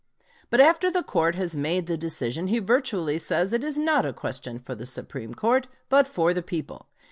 But after the court has made the decision he virtually says it is not a question for the Supreme Court, but for the people.